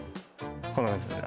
こんな感じですね。